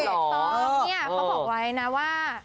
ต้องเนี่ยเค้าบอกไว้น่ะว่า